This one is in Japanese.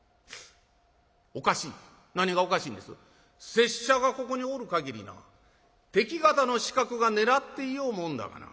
「拙者がここにおる限りな敵方の刺客が狙っていようもんだがな。